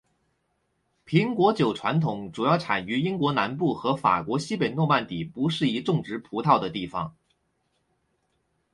苹果酒传统主要产于英国南部和法国西北诺曼底不适宜种植葡萄的地方。